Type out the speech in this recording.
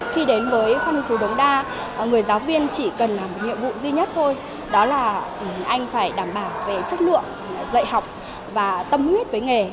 khi đến với phan lưu chú đống đa người giáo viên chỉ cần làm nhiệm vụ duy nhất thôi đó là anh phải đảm bảo về chất lượng dạy học và tâm huyết với nghề